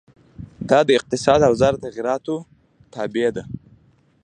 دا د اقتصادي اوضاع د تغیراتو تابع ده.